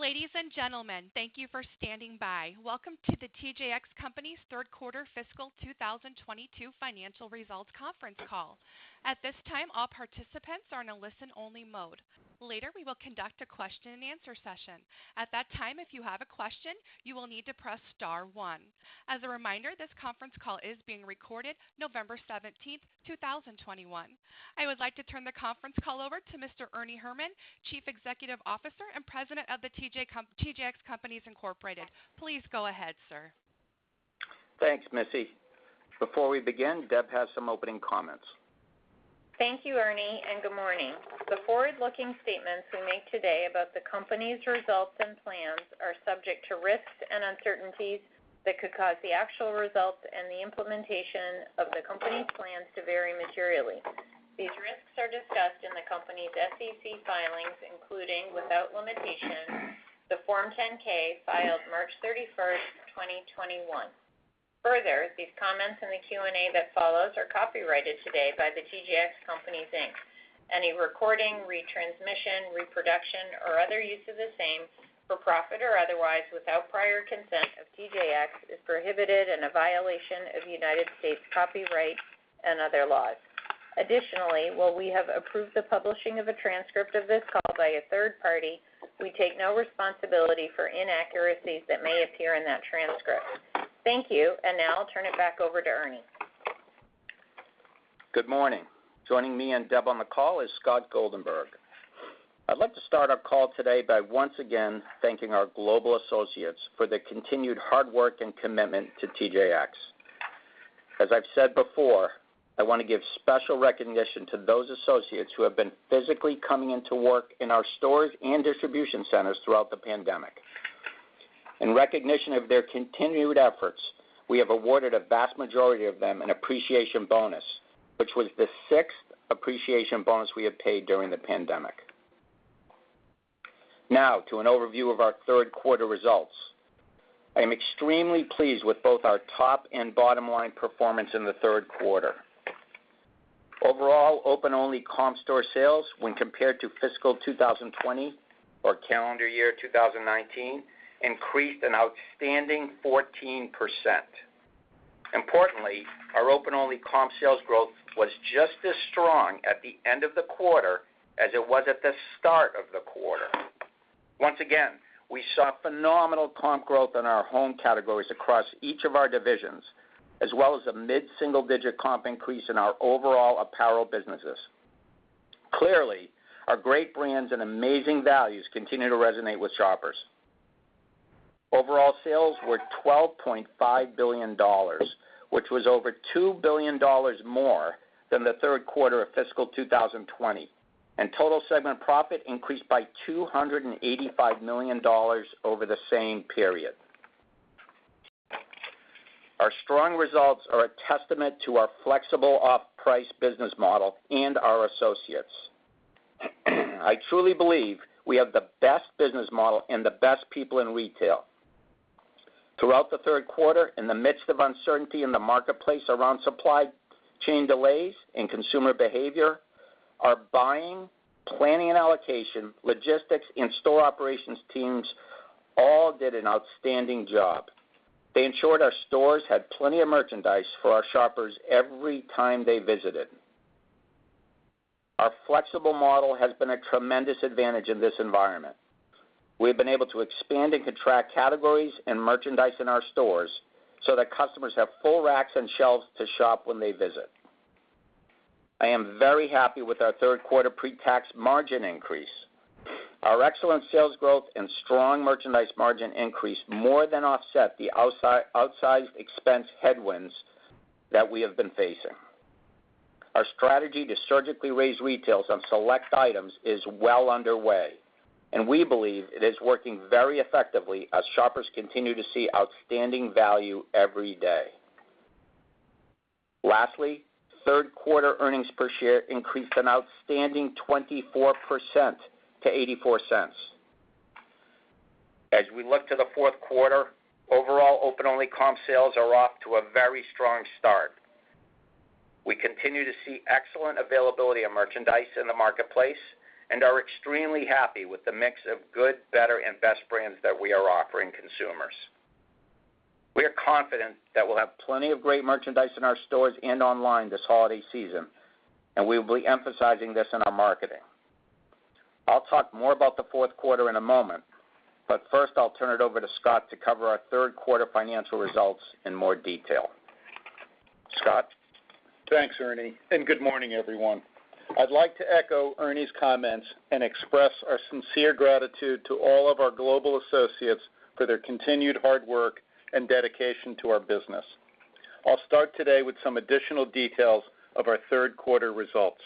Ladies and gentlemen, thank you for standing by. Welcome to the TJX Companies Third Quarter Fiscal 2022 Financial Results Conference Call. At this time, all participants are in a listen-only mode. Later, we will conduct a question-and-answer session. At that time, if you have a question, you will need to press star one. As a reminder, this conference call is being recorded November 17, 2021. I would like to turn the conference call over to Mr. Ernie Herrman, Chief Executive Officer and President of the TJX Companies Incorporated. Please go ahead, sir. Thanks, Missy. Before we begin, Deb has some opening comments. Thank you, Ernie, and good morning. The forward-looking statements we make today about the company's results and plans are subject to risks and uncertainties that could cause the actual results and the implementation of the company's plans to vary materially. These risks are discussed in the company's SEC filings, including, without limitation, the Form 10-K filed March 31, 2021. Further, these comments in the Q&A that follows are copyrighted today by The TJX Companies, Inc. Any recording, retransmission, reproduction, or other use of the same, for profit or otherwise, without prior consent of TJX, is prohibited and a violation of United States copyright and other laws. Additionally, while we have approved the publishing of a transcript of this call by a third party, we take no responsibility for inaccuracies that may appear in that transcript. Thank you. Now I'll turn it back over to Ernie. Good morning. Joining me and Deb on the call is Scott Goldenberg. I'd like to start our call today by once again thanking our global associates for their continued hard work and commitment to TJX. As I've said before, I wanna give special recognition to those associates who have been physically coming into work in our stores and distribution centers throughout the pandemic. In recognition of their continued efforts, we have awarded a vast majority of them an appreciation bonus, which was the sixth appreciation bonus we have paid during the pandemic. Now to an overview of our third quarter results. I am extremely pleased with both our top and bottom-line performance in the third quarter. Overall, open-only comp store sales when compared to fiscal 2020 or calendar year 2019 increased an outstanding 14%. Importantly, our open-only comp sales growth was just as strong at the end of the quarter as it was at the start of the quarter. Once again, we saw phenomenal comp growth in our home categories across each of our divisions, as well as a mid-single-digit comp increase in our overall apparel businesses. Clearly, our great brands and amazing values continue to resonate with shoppers. Overall sales were $12.5 billion, which was over $2 billion more than the third quarter of fiscal 2020, and total segment profit increased by $285 million over the same period. Our strong results are a testament to our flexible off-price business model and our associates. I truly believe we have the best business model and the best people in retail. Throughout the third quarter, in the midst of uncertainty in the marketplace around supply chain delays and consumer behavior, our buying, planning and allocation, logistics, and store operations teams all did an outstanding job. They ensured our stores had plenty of merchandise for our shoppers every time they visited. Our flexible model has been a tremendous advantage in this environment. We've been able to expand and contract categories and merchandise in our stores so that customers have full racks and shelves to shop when they visit. I am very happy with our third quarter pre-tax margin increase. Our excellent sales growth and strong merchandise margin increase more than offset the outsize expense headwinds that we have been facing. Our strategy to surgically raise retails on select items is well underway, and we believe it is working very effectively as shoppers continue to see outstanding value every day. Lastly, third quarter earnings per share increased an outstanding 24% to $0.84. As we look to the fourth quarter, overall open only comp sales are off to a very strong start. We continue to see excellent availability of merchandise in the marketplace and are extremely happy with the mix of good, better, and best brands that we are offering consumers. We are confident that we'll have plenty of great merchandise in our stores and online this holiday season, and we will be emphasizing this in our marketing. I'll talk more about the fourth quarter in a moment, but first, I'll turn it over to Scott to cover our third quarter financial results in more detail. Scott? Thanks, Ernie, and good morning, everyone. I'd like to echo Ernie's comments and express our sincere gratitude to all of our global associates for their continued hard work and dedication to our business. I'll start today with some additional details of our third quarter results.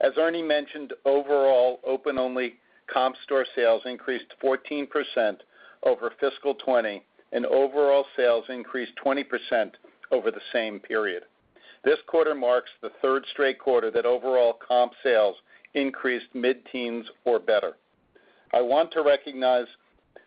As Ernie mentioned, overall open only comp store sales increased 14% over fiscal 2020, and overall sales increased 20% over the same period. This quarter marks the third straight quarter that overall comp sales increased mid-teens or better. I want to recognize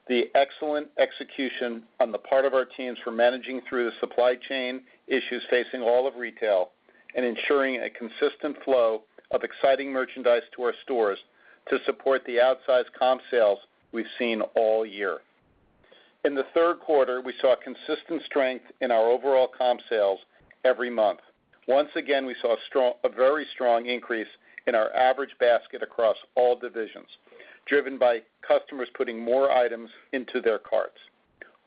the excellent execution on the part of our teams for managing through the supply chain issues facing all of retail and ensuring a consistent flow of exciting merchandise to our stores to support the outsized comp sales we've seen all year. In the third quarter, we saw consistent strength in our overall comp sales every month. Once again, we saw a very strong increase in our average basket across all divisions, driven by customers putting more items into their carts.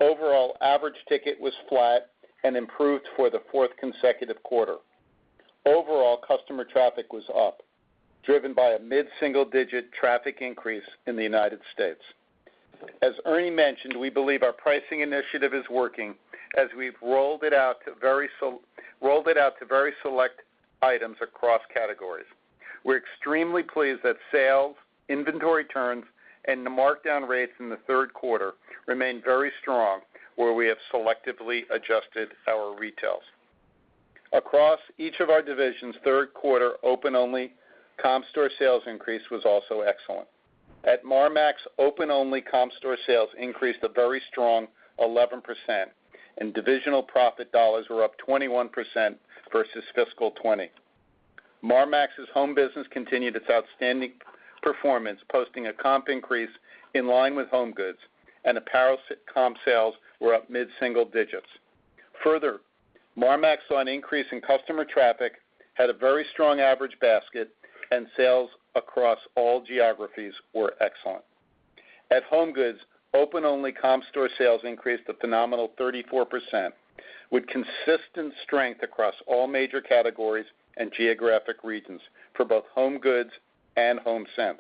Overall, average ticket was flat and improved for the fourth consecutive quarter. Overall, customer traffic was up, driven by a mid-single-digit traffic increase in the United States. As Ernie mentioned, we believe our pricing initiative is working as we've rolled it out to very select items across categories. We're extremely pleased that sales, inventory turns, and the markdown rates in the third quarter remained very strong where we have selectively adjusted our retails. Across each of our divisions, third quarter open-only comp store sales increase was also excellent. At Marmaxx, open-only comp store sales increased a very strong 11%, and divisional profit dollars were up 21% versus fiscal 2020. Marmaxx's home business continued its outstanding performance, posting a comp increase in line with HomeGoods, and apparel comp sales were up mid-single digits. Further, Marmaxx saw an increase in customer traffic, had a very strong average basket, and sales across all geographies were excellent. At HomeGoods, open-only comp store sales increased a phenomenal 34% with consistent strength across all major categories and geographic regions for both HomeGoods and HomeSense.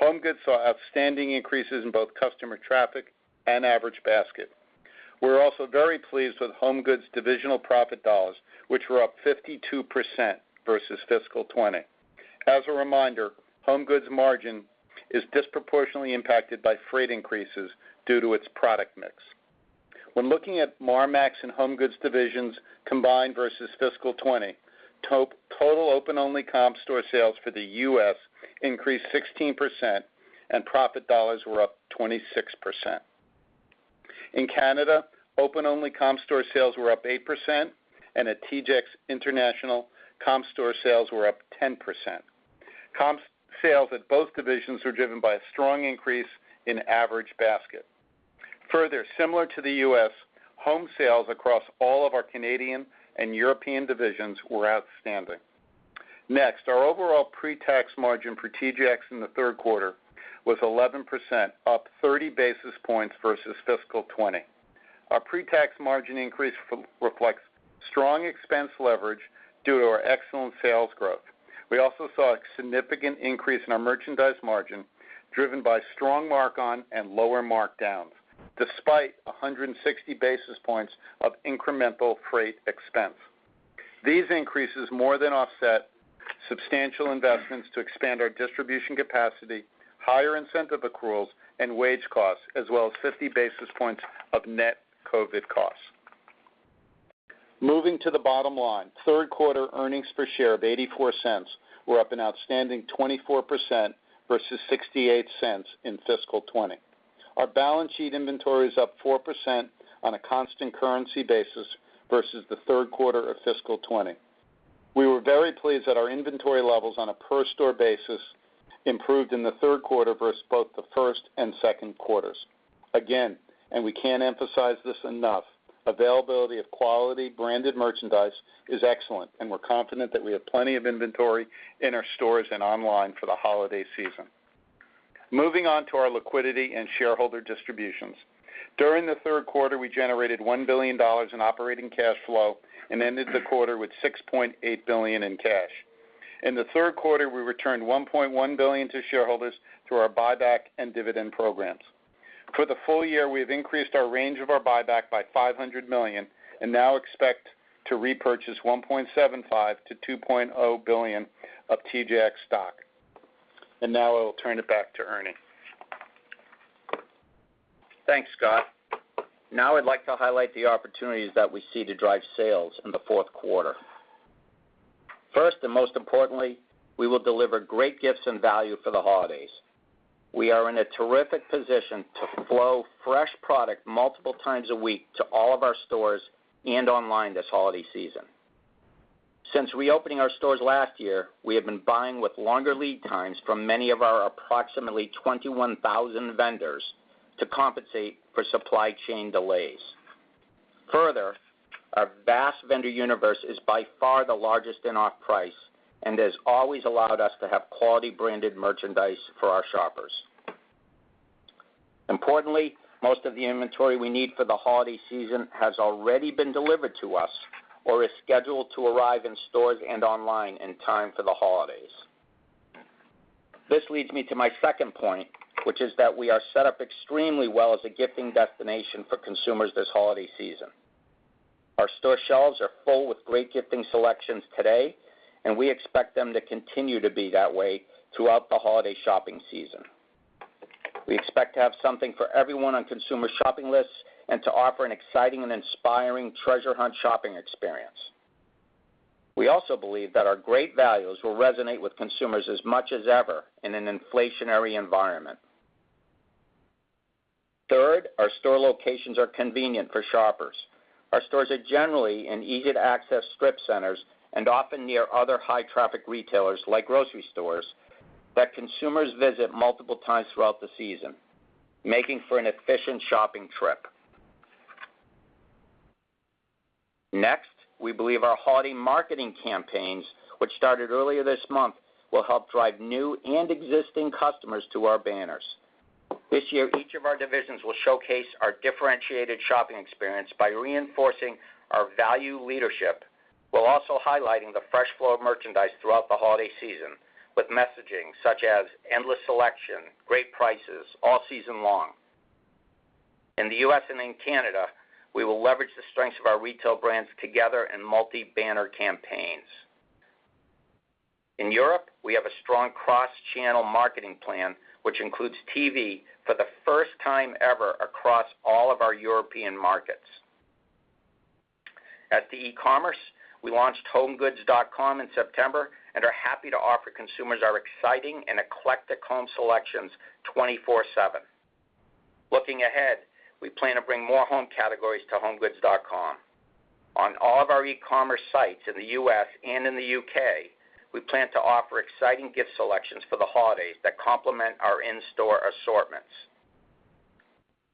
HomeGoods saw outstanding increases in both customer traffic and average basket. We're also very pleased with HomeGoods divisional profit dollars, which were up 52% versus fiscal 2020. As a reminder, HomeGoods' margin is disproportionately impacted by freight increases due to its product mix. When looking at Marmaxx and HomeGoods divisions combined versus fiscal 2020, total open-only comp store sales for the U.S. increased 16%, and profit dollars were up 26%. In Canada, open-only comp store sales were up 8%, and at TJX International, comp store sales were up 10%. Comp sales at both divisions were driven by a strong increase in average basket. Further, similar to the U.S., home sales across all of our Canadian and European divisions were outstanding. Next, our overall pre-tax margin for TJX in the third quarter was 11%, up 30 basis points versus fiscal 2020. Our pre-tax margin increase reflects strong expense leverage due to our excellent sales growth. We also saw a significant increase in our merchandise margin, driven by strong markon and lower markdowns, despite 160 basis points of incremental freight expense. These increases more than offset substantial investments to expand our distribution capacity, higher incentive accruals and wage costs, as well as 50 basis points of net COVID costs. Moving to the bottom line, third quarter earnings per share of $0.84 were up an outstanding 24% versus $0.68 in FY 2020. Our balance sheet inventory is up 4% on a constant currency basis versus the third quarter of FY 2020. We were very pleased that our inventory levels on a per store basis improved in the third quarter versus both the first and second quarters. Again, and we can't emphasize this enough, availability of quality branded merchandise is excellent, and we're confident that we have plenty of inventory in our stores and online for the holiday season. Moving on to our liquidity and shareholder distributions. During the third quarter, we generated $1 billion in operating cash flow and ended the quarter with $6.8 billion in cash. In the third quarter, we returned $1.1 billion to shareholders through our buyback and dividend programs. For the full year, we have increased our range of our buyback by $500 million and now expect to repurchase $1.75 billion-$2 billion of TJX stock. Now I will turn it back to Ernie. Thanks, Scott. Now I'd like to highlight the opportunities that we see to drive sales in the fourth quarter. First, most importantly, we will deliver great gifts and value for the holidays. We are in a terrific position to flow fresh product multiple times a week to all of our stores and online this holiday season. Since reopening our stores last year, we have been buying with longer lead times from many of our approximately 21,000 vendors to compensate for supply chain delays. Further, our vast vendor universe is by far the largest in off price and has always allowed us to have quality branded merchandise for our shoppers. Importantly, most of the inventory we need for the holiday season has already been delivered to us or is scheduled to arrive in stores and online in time for the holidays. This leads me to my second point, which is that we are set up extremely well as a gifting destination for consumers this holiday season. Our store shelves are full with great gifting selections today, and we expect them to continue to be that way throughout the holiday shopping season. We expect to have something for everyone on consumer shopping lists and to offer an exciting and inspiring treasure hunt shopping experience. We also believe that our great values will resonate with consumers as much as ever in an inflationary environment. Third, our store locations are convenient for shoppers. Our stores are generally in easy to access strip centers and often near other high traffic retailers like grocery stores that consumers visit multiple times throughout the season, making for an efficient shopping trip. Next, we believe our holiday marketing campaigns, which started earlier this month, will help drive new and existing customers to our banners. This year, each of our divisions will showcase our differentiated shopping experience by reinforcing our value leadership, while also highlighting the fresh flow of merchandise throughout the holiday season with messaging such as endless selection, great prices all season long. In the U.S. and in Canada, we will leverage the strengths of our retail brands together in multi-banner campaigns. In Europe, we have a strong cross-channel marketing plan, which includes TV for the first time ever across all of our European markets. At the e-commerce, we launched homegoods.com in September and are happy to offer consumers our exciting and eclectic home selections 24/7. Looking ahead, we plan to bring more home categories to homegoods.com. On all of our e-commerce sites in the U.S. and in the U.K., we plan to offer exciting gift selections for the holidays that complement our in-store assortments.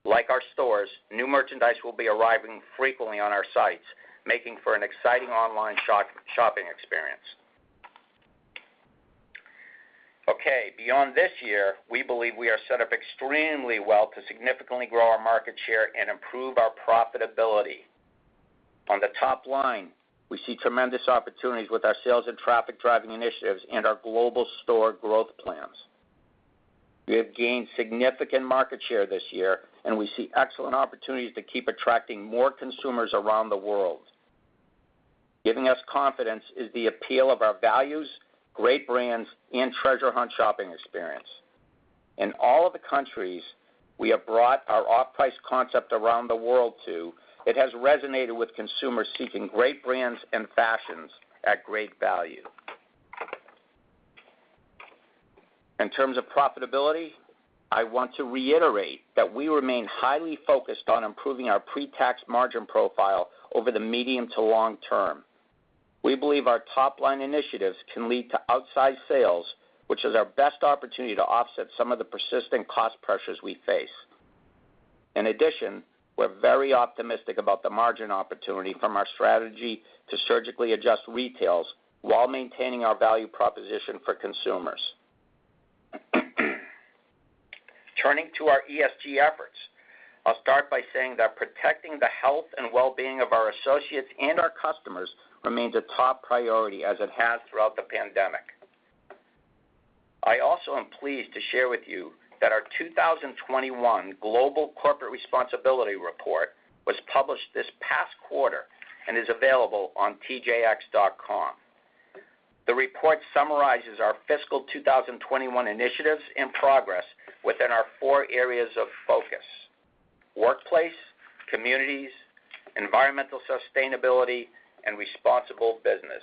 Like our stores, new merchandise will be arriving frequently on our sites, making for an exciting online shopping experience. Okay, beyond this year, we believe we are set up extremely well to significantly grow our market share and improve our profitability. On the top line, we see tremendous opportunities with our sales and traffic driving initiatives and our global store growth plans. We have gained significant market share this year, and we see excellent opportunities to keep attracting more consumers around the world. Giving us confidence is the appeal of our values, great brands, and treasure hunt shopping experience. In all of the countries we have brought our off-price concept around the world to, it has resonated with consumers seeking great brands and fashions at great value. In terms of profitability, I want to reiterate that we remain highly focused on improving our pre-tax margin profile over the medium to long term. We believe our top-line initiatives can lead to upside sales, which is our best opportunity to offset some of the persistent cost pressures we face. In addition, we're very optimistic about the margin opportunity from our strategy to surgically adjust retail while maintaining our value proposition for consumers. Turning to our ESG efforts, I'll start by saying that protecting the health and well-being of our associates and our customers remains a top priority as it has throughout the pandemic. I also am pleased to share with you that our 2021 Global Corporate Responsibility Report was published this past quarter and is available on tjx.com. The report summarizes our fiscal 2021 initiatives and progress within our four areas of focus, workplace, communities, environmental sustainability, and responsible business.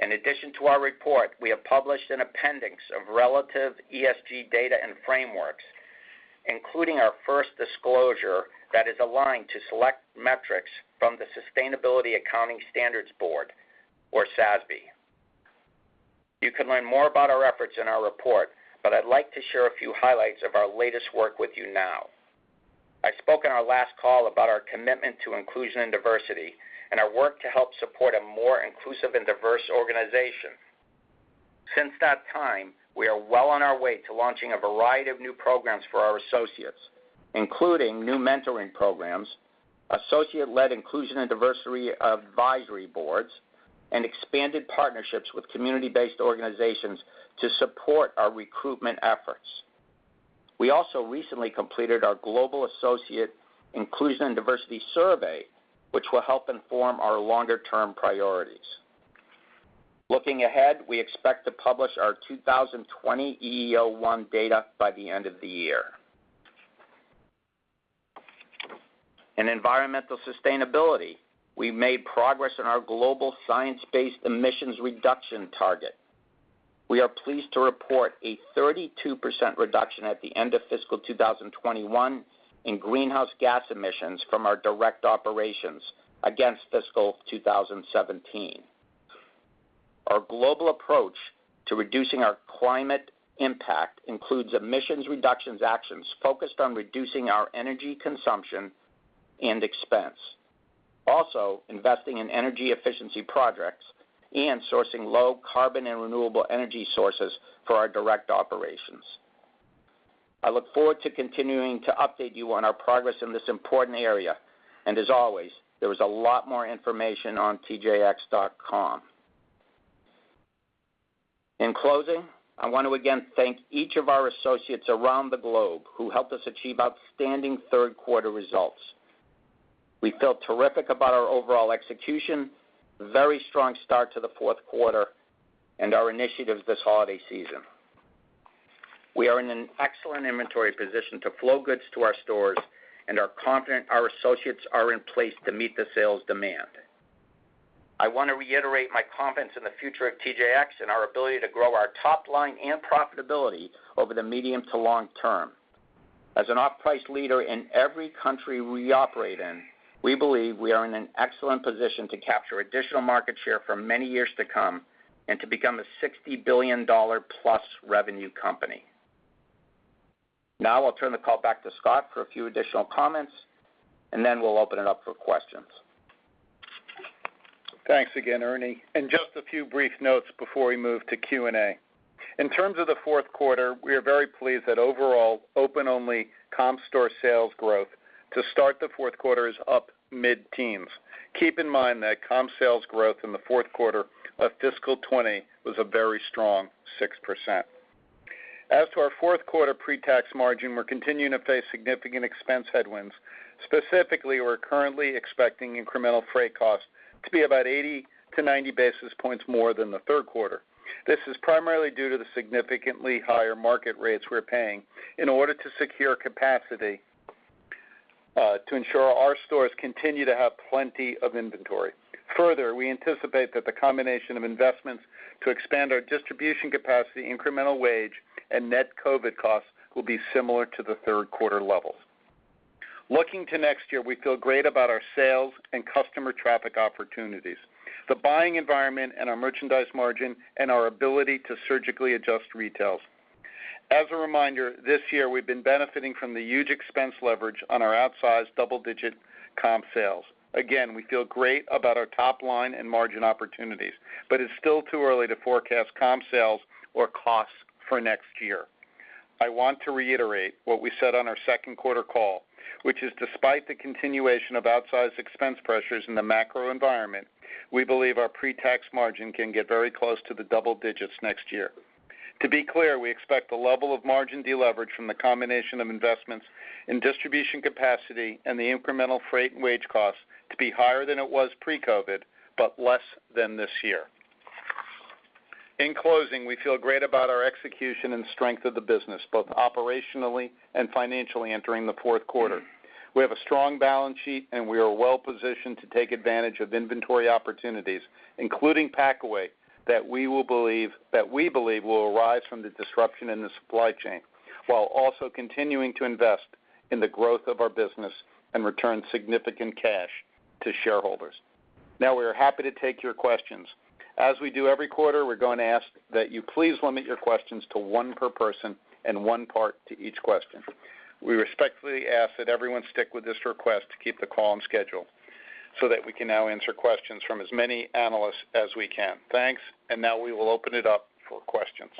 In addition to our report, we have published an appendix of relative ESG data and frameworks, including our first disclosure that is aligned to select metrics from the Sustainability Accounting Standards Board, or SASB. You can learn more about our efforts in our report, but I'd like to share a few highlights of our latest work with you now. I spoke on our last call about our commitment to inclusion and diversity and our work to help support a more inclusive and diverse organization. Since that time, we are well on our way to launching a variety of new programs for our associates, including new mentoring programs, associate-led inclusion and diversity advisory boards, and expanded partnerships with community-based organizations to support our recruitment efforts. We also recently completed our Global Associate Inclusion and Diversity Survey, which will help inform our longer-term priorities. Looking ahead, we expect to publish our 2020 EEO-1 data by the end of the year. In environmental sustainability, we made progress on our global science-based emissions reduction target. We are pleased to report a 32% reduction at the end of fiscal 2021 in greenhouse gas emissions from our direct operations against fiscal 2017. Our global approach to reducing our climate impact includes emissions reductions actions focused on reducing our energy consumption and expense. Also, investing in energy efficiency projects and sourcing low carbon and renewable energy sources for our direct operations. I look forward to continuing to update you on our progress in this important area. As always, there is a lot more information on tjx.com. In closing, I want to again thank each of our associates around the globe who helped us achieve outstanding third quarter results. We feel terrific about our overall execution, very strong start to the fourth quarter and our initiatives this holiday season. We are in an excellent inventory position to flow goods to our stores and are confident our associates are in place to meet the sales demand. I want to reiterate my confidence in the future of TJX and our ability to grow our top line and profitability over the medium to long term. As an off-price leader in every country we operate in, we believe we are in an excellent position to capture additional market share for many years to come and to become a $60 billion+ revenue company. Now, I'll turn the call back to Scott for a few additional comments, and then we'll open it up for questions. Thanks again, Ernie. Just a few brief notes before we move to Q&A. In terms of the fourth quarter, we are very pleased that overall open only comp store sales growth to start the fourth quarter is up mid-teens. Keep in mind that comp sales growth in the fourth quarter of fiscal 2020 was a very strong 6%. As to our fourth quarter pre-tax margin, we're continuing to face significant expense headwinds. Specifically, we're currently expecting incremental freight costs to be about 80-90 basis points more than the third quarter. This is primarily due to the significantly higher market rates we're paying in order to secure capacity to ensure our stores continue to have plenty of inventory. Further, we anticipate that the combination of investments to expand our distribution capacity, incremental wage, and net COVID costs will be similar to the third quarter levels. Looking to next year, we feel great about our sales and customer traffic opportunities, the buying environment and our merchandise margin, and our ability to surgically adjust retails. As a reminder, this year, we've been benefiting from the huge expense leverage on our outsized double-digit comp sales. Again, we feel great about our top line and margin opportunities, but it's still too early to forecast comp sales or costs for next year. I want to reiterate what we said on our second quarter call, which is despite the continuation of outsized expense pressures in the macro environment, we believe our pre-tax margin can get very close to the double digits next year. To be clear, we expect the level of margin deleverage from the combination of investments in distribution capacity and the incremental freight and wage costs to be higher than it was pre-COVID, but less than this year. In closing, we feel great about our execution and strength of the business, both operationally and financially entering the fourth quarter. We have a strong balance sheet, and we are well positioned to take advantage of inventory opportunities, including pack away, that we believe will arise from the disruption in the supply chain, while also continuing to invest in the growth of our business and return significant cash to shareholders. Now, we are happy to take your questions. As we do every quarter, we're going to ask that you please limit your questions to one per person and one part to each question. We respectfully ask that everyone stick with this request to keep the call on schedule so that we can now answer questions from as many analysts as we can. Thanks. Now we will open it up for questions.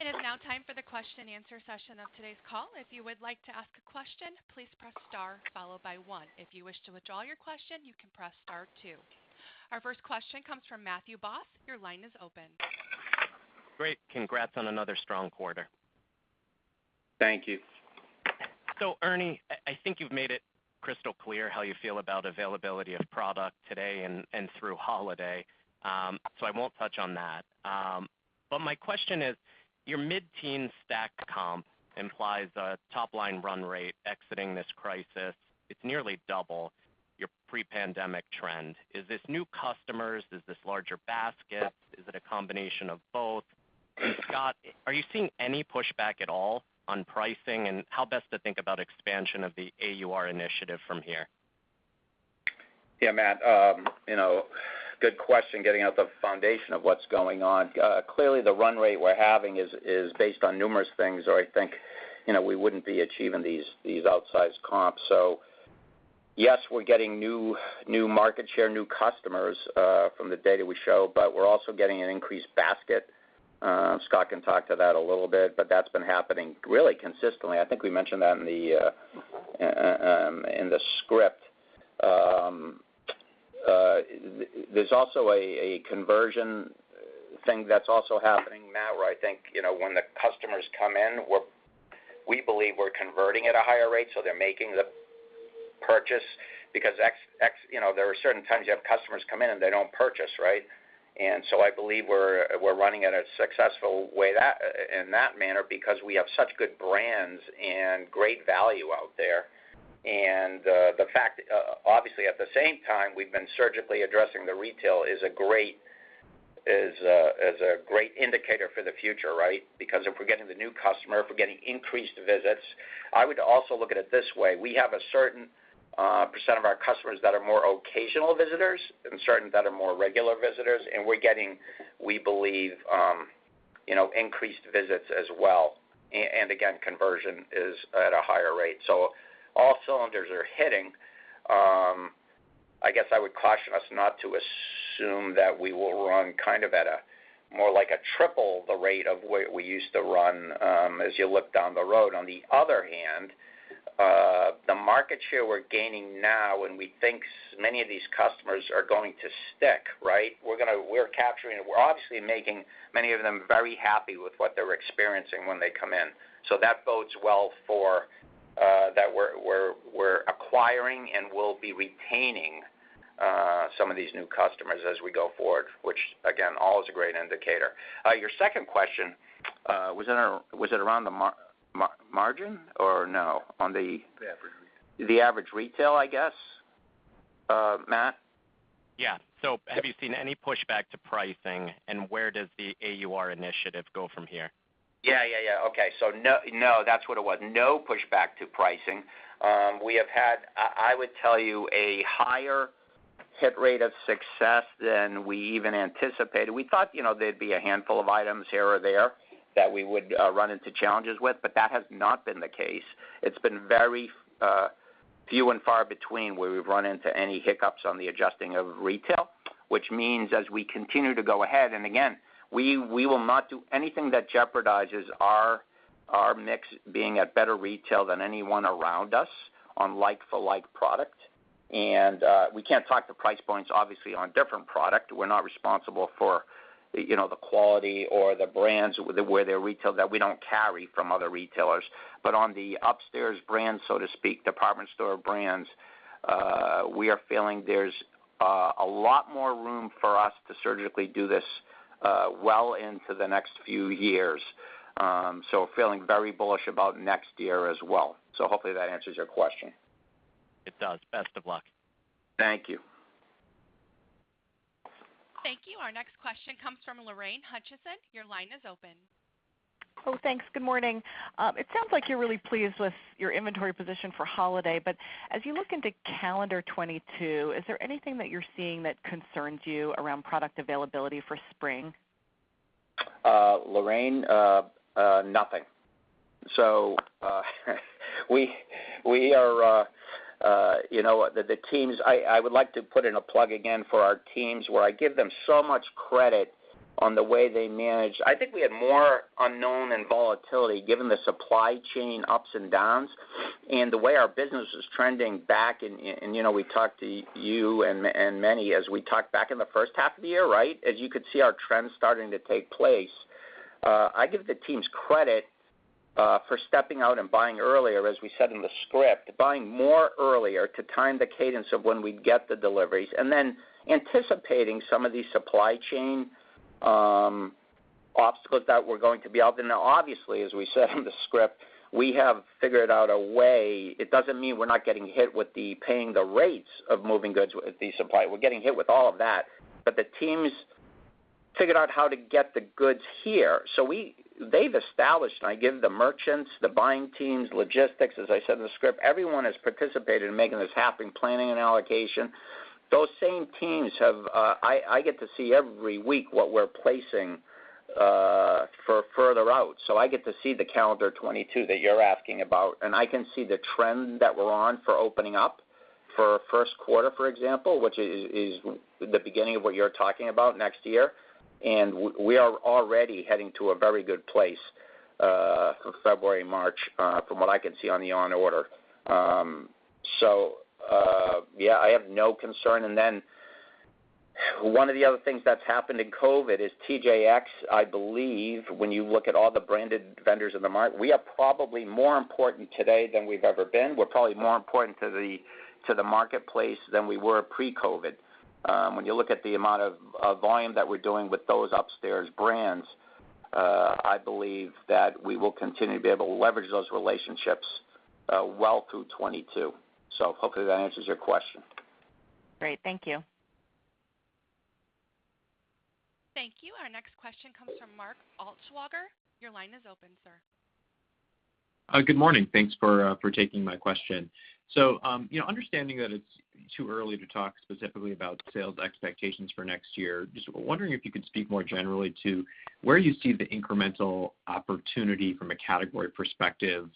It is now time for the question-and-answer session of today's call. If you would like to ask a question, please press star followed by one. If you wish to withdraw your question, you can press star two. Our first question comes from Matthew Boss. Your line is open. Great. Congrats on another strong quarter. Thank you. Ernie, I think you've made it crystal clear how you feel about availability of product today and through holiday, so I won't touch on that. But my question is, your mid-teen stack comp implies a top-line run rate exiting this crisis. It's nearly double your pre-pandemic trend. Is this new customers? Is this larger baskets? Is it a combination of both? Scott, are you seeing any pushback at all on pricing, and how best to think about expansion of the AUR initiative from here? Yeah, Matt, you know, good question, getting to the foundation of what's going on. Clearly, the run rate we're having is based on numerous things. I think, you know, we wouldn't be achieving these outsized comps. Yes, we're getting new market share, new customers, from the data we show, but we're also getting an increased basket. Scott can talk to that a little bit, but that's been happening really consistently. I think we mentioned that in the script. There's also a conversion thing that's also happening, Matt, where I think, you know, when the customers come in, we believe we're converting at a higher rate, so they're making the purchase because you know, there are certain times you have customers come in and they don't purchase, right? I believe we're running at a successful way in that manner because we have such good brands and great value out there. The fact obviously at the same time we've been surgically addressing the retail is a great indicator for the future, right? Because if we're getting the new customer, if we're getting increased visits, I would also look at it this way. We have a certain percent of our customers that are more occasional visitors and certain that are more regular visitors, and we're getting we believe you know increased visits as well. And again conversion is at a higher rate. All cylinders are hitting. I guess I would caution us not to assume that we will run kind of at a more like a triple the rate of what we used to run, as you look down the road. On the other hand, the market share we're gaining now, and we think so many of these customers are going to stick, right? We're obviously making many of them very happy with what they're experiencing when they come in. That bodes well for that we're acquiring and we'll be retaining some of these new customers as we go forward, which again, all is a great indicator. Your second question, was it around the margin or no? On the... The average retail. The average retailer, I guess, Matt? Yeah. Have you seen any pushback to pricing, and where does the AUR initiative go from here? Yeah. Okay. No, that's what it was. No pushback to pricing. We have had, I would tell you, a higher hit rate of success than we even anticipated. We thought, you know, there'd be a handful of items here or there that we would run into challenges with, but that has not been the case. It's been very few and far between where we've run into any hiccups on the adjusting of retail, which means as we continue to go ahead, and again, we will not do anything that jeopardizes our mix being at better retail than anyone around us on like-for-like product. We can't talk to price points obviously on different product. We're not responsible for, you know, the quality or the brands where they're retailed that we don't carry from other retailers. On the upstairs brands, so to speak, department store brands, we are feeling there's a lot more room for us to surgically do this well into the next few years. Feeling very bullish about next year as well. Hopefully that answers your question. It does. Best of luck. Thank you. Thank you. Our next question comes from Lorraine Hutchinson. Your line is open. Oh, thanks. Good morning. It sounds like you're really pleased with your inventory position for holiday. As you look into calendar 2022, is there anything that you're seeing that concerns you around product availability for spring? Lorraine, nothing. We are, you know, the teams. I would like to put in a plug again for our teams, where I give them so much credit on the way they manage. I think we had more unknown and volatility given the supply chain ups and downs and the way our business is trending back. You know, we talked to you and many as we talked back in the first half of the year, right? As you could see our trends starting to take place. I give the teams credit for stepping out and buying earlier, as we said in the script, buying more earlier to time the cadence of when we'd get the deliveries, and then anticipating some of these supply chain obstacles that were going to be out there. Now, obviously, as we said in the script, we have figured out a way. It doesn't mean we're not getting hit with paying the rates of moving goods with the supply. We're getting hit with all of that, but the teams figured out how to get the goods here. They've established, and I give the merchants, the buying teams, logistics, as I said in the script, everyone has participated in making this happen, planning and allocation. I get to see every week what we're placing for further out. I get to see the calendar 2022 that you're asking about, and I can see the trend that we're on for opening up for first quarter, for example, which is the beginning of what you're talking about next year. We are already heading to a very good place for February, March, from what I can see on the order. Yeah, I have no concern. One of the other things that's happened in COVID is TJX, I believe, when you look at all the branded vendors in the market, we are probably more important today than we've ever been. We're probably more important to the marketplace than we were pre-COVID. When you look at the amount of volume that we're doing with those upscale brands, I believe that we will continue to be able to leverage those relationships well through 2022. Hopefully that answers your question. Great. Thank you. Thank you. Our next question comes from Mark Altschwager. Your line is open, sir. Good morning. Thanks for taking my question. You know, understanding that it's too early to talk specifically about sales expectations for next year, just wondering if you could speak more generally to where you see the incremental opportunity from a category perspective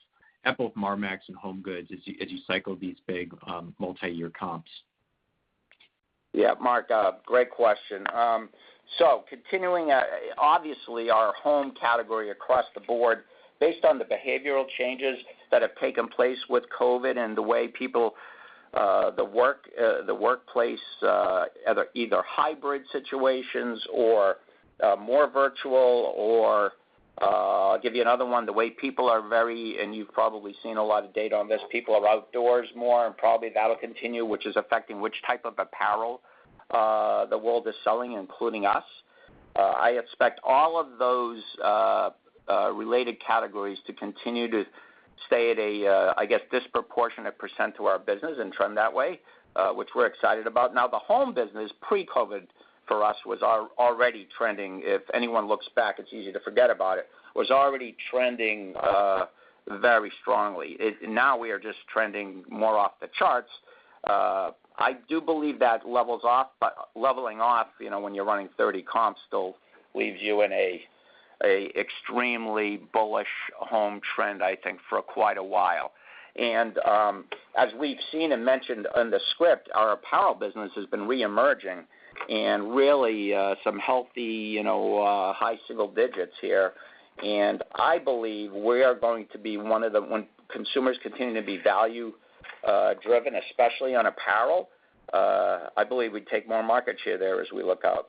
at both Marmaxx and HomeGoods as you cycle these big, multi-year comps. Yeah. Mark, great question. Continuing, obviously our home category across the board, based on the behavioral changes that have taken place with COVID and the workplace either hybrid situations or more virtual or I'll give you another one. People are outdoors more. You've probably seen a lot of data on this, and probably that'll continue, which is affecting which type of apparel the world is selling, including us. I expect all of those related categories to continue to stay at a disproportionate percent to our business and trend that way, which we're excited about. Now, the home business pre-COVID for us was already trending, if anyone looks back, it's easy to forget about it. It was already trending very strongly. Now we are just trending more off the charts. I do believe that levels off, but leveling off, you know, when you're running 30 comps still leaves you in an extremely bullish home trend, I think, for quite a while. As we've seen and mentioned in the script, our apparel business has been reemerging and really some healthy, you know, high single digits here. I believe we are going to be one of the. When consumers continue to be value driven, especially on apparel, I believe we take more market share there as we look out.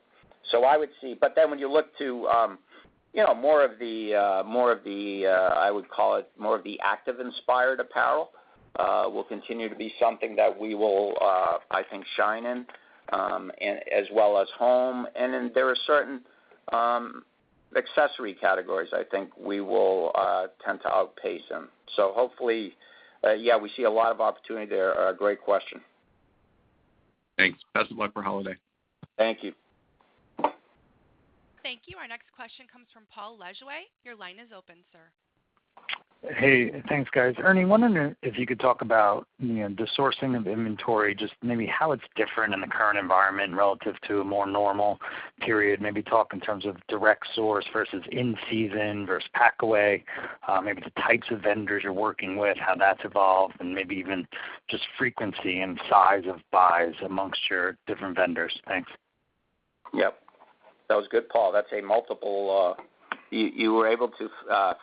I would see. When you look to, you know, I would call it more of the active inspired apparel will continue to be something that we will, I think shine in, and as well as home. There are certain accessory categories I think we will tend to outpace in. Hopefully, yeah, we see a lot of opportunity there. A great question. Thanks. Best of luck for holiday. Thank you. Thank you. Our next question comes from Paul Lejuez. Your line is open, sir. Hey, thanks, guys. Ernie, wondering if you could talk about, you know, the sourcing of inventory, just maybe how it's different in the current environment relative to a more normal period. Maybe talk in terms of direct source versus in-season versus pack away, maybe the types of vendors you're working with, how that's evolved, and maybe even just frequency and size of buys among your different vendors. Thanks. Yep. That was good, Paul. That's a multiple. You were able to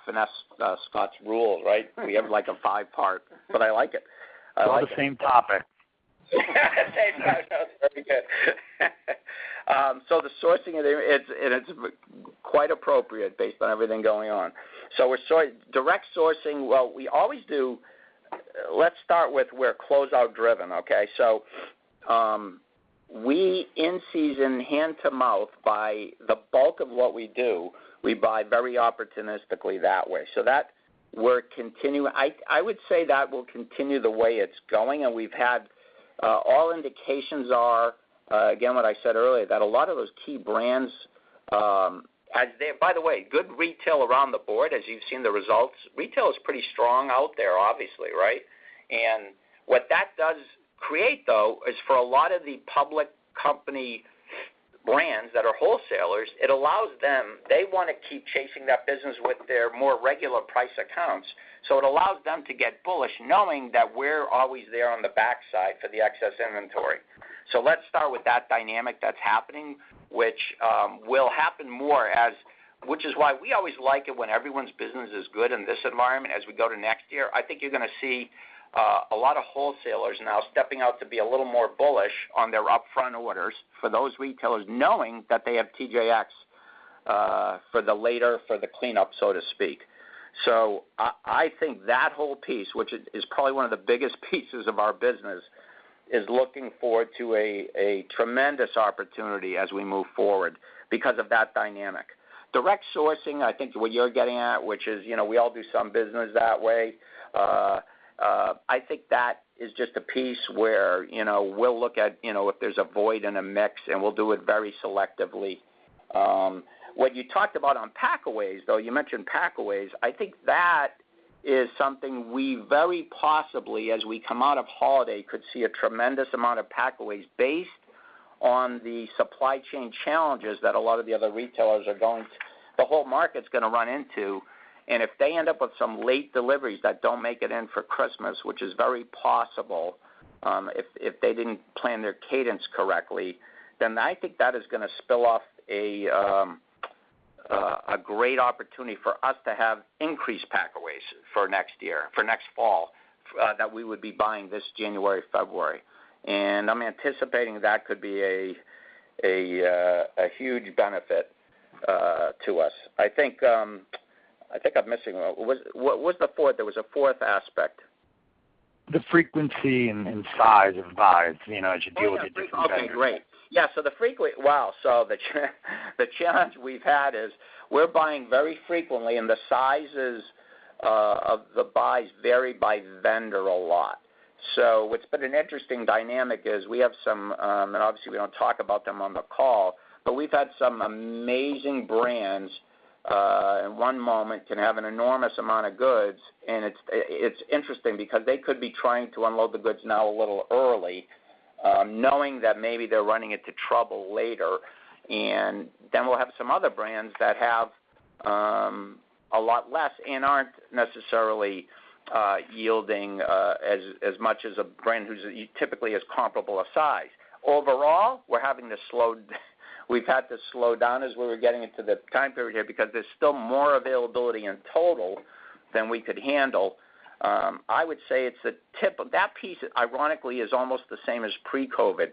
finesse Scott's rule, right? You have, like, a five-part. But I like it. All the same topic. Same topic. That's pretty good. The sourcing, it's quite appropriate based on everything going on. We're direct sourcing, what we always do. Let's start with we're closeout driven, okay? We in-season hand to mouth, buy the bulk of what we do. We buy very opportunistically that way. That, I would say that will continue the way it's going, and we've had all indications are, again, what I said earlier, that a lot of those key brands, as they. By the way, good retail across the board, as you've seen the results. Retail is pretty strong out there, obviously, right? What that does create, though, is for a lot of the public company brands that are wholesalers. It allows them, they wanna keep chasing that business with their more regular price accounts. It allows them to get bullish knowing that we're always there on the backside for the excess inventory. Let's start with that dynamic that's happening, which will happen more as, which is why we always like it when everyone's business is good in this environment as we go to next year. I think you're gonna see a lot of wholesalers now stepping out to be a little more bullish on their upfront orders for those retailers knowing that they have TJX for the later, for the cleanup, so to speak. I think that whole piece, which is probably one of the biggest pieces of our business, is looking forward to a tremendous opportunity as we move forward because of that dynamic. Direct sourcing, I think what you're getting at, which is, you know, we all do some business that way. I think that is just a piece where, you know, we'll look at, you know, if there's a void in a mix, and we'll do it very selectively. What you talked about on packaways, though, you mentioned packaways. I think that is something we very possibly, as we come out of holiday, could see a tremendous amount of packaways based on the supply chain challenges that a lot of the other retailers are going to, the whole market's gonna run into. If they end up with some late deliveries that don't make it in for Christmas, which is very possible, if they didn't plan their cadence correctly, then I think that is gonna spill off a great opportunity for us to have increased packaways for next year, for next fall, that we would be buying this January, February. I'm anticipating that could be a huge benefit to us. I think I'm missing one. What was the fourth? There was a fourth aspect. The frequency and size of buys, you know, as you deal with the different vendors. Okay, great. Yeah, well, the challenge we've had is we're buying very frequently, and the sizes of the buys vary by vendor a lot. What's been an interesting dynamic is we have some, and obviously we don't talk about them on the call, but we've had some amazing brands in one moment can have an enormous amount of goods. It's interesting because they could be trying to unload the goods now a little early, knowing that maybe they're running into trouble later. We'll have some other brands that have a lot less and aren't necessarily yielding as much as a brand who's typically as comparable a size. Overall, we've had to slow down as we were getting into the time period here because there's still more availability in total than we could handle. I would say it's the tip of that piece, ironically, is almost the same as pre-COVID,